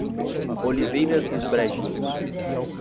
Oliveira dos Brejinhos